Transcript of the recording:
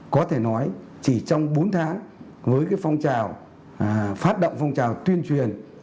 có thể nói chỉ trong bốn tháng với phong trào phát động phong trào tuyên truyền